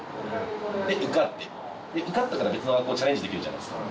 受かったから別の学校チャレンジできるじゃないですか。